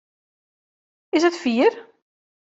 Is it fier?